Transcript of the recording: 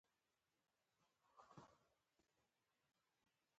دا ماشوم نڅا کوي.